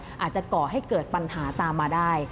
อาจจะก่อให้เกิดปัญหาตามมาได้